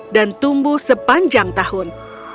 dan tumbuh sepanjang tahun